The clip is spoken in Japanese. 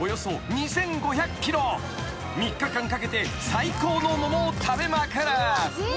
［３日間かけて最高の桃を食べまくる］